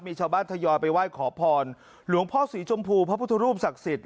มีชาวบ้านทยอยไปไหว้ขอพรหลวงพ่อสีชมพูพระพุทธรูปศักดิ์สิทธิ